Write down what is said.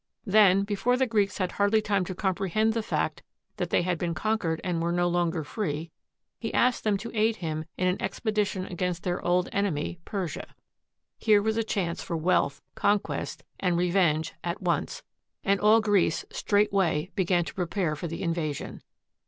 Then, before the Greeks had hardly time to comprehend the fact that they had been conquered and were no longer free, he asked them to aid him in an expe dition against their old enemy, Persia. Here was a chance for wealth, conquest, and revenge at once, and all Greece straightway began to prepare for the invasion.